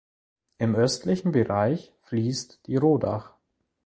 Im östlichen Bereich fließt die Rodach.